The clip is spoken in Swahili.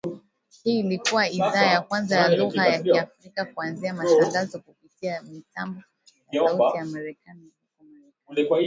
Hii ilikua idhaa ya kwanza ya lugha ya Kiafrika kuanzisha matangazo kupitia mitambo ya Sauti ya Amerika huko Marekani